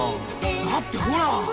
だってほら。